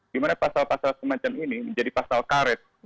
dimana pasal pasal semacam ini menjadi pasal karet